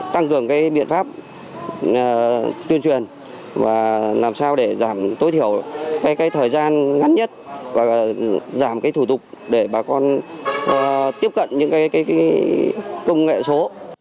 tăng cường cái biện pháp tuyên truyền và làm sao để giảm tối thiểu cái thời gian ngắn nhất và giảm cái thủ tục để bà con tiếp cận những cái công nghệ số